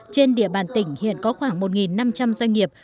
trên địa bàn tỉnh hiện có khoảng một năm trăm linh doanh nghiệp